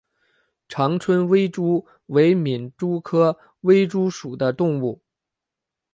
长春微蛛为皿蛛科微蛛属的动物。